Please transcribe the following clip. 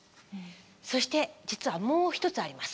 そして実はもう一つあります。